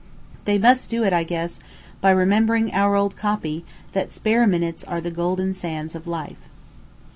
They must do it, I guess, by remembering our old copy, that "spare minutes are the golden sands of life."